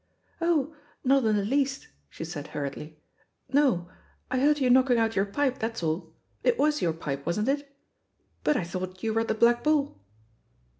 "Oh, not in the least," she said hurriedly; "no. I heard you knocking out your pipe, that's all —» it was your pipe, wasn't it? But I thought you were at the Black Bull?"